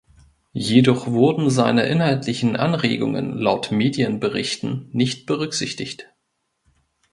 Jedoch wurden seine inhaltlichen Anregungen laut Medienberichten nicht berücksichtigt.